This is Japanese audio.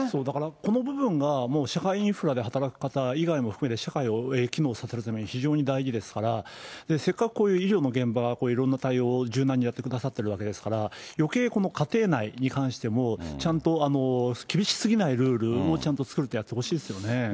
だから、この部分がもう社会インフラで働く方以外も含めて社会を機能させるために非常に大事ですから、せっかく医療の現場、いろんな対応を柔軟にやってくださってるわけですから、よけい、この家庭内に関しても、ちゃんと厳しすぎないルールをちゃんと作ってやってほしいですね。